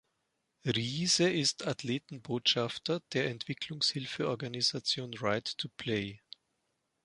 Riise ist Athletenbotschafter der Entwicklungshilfeorganisation Right to Play.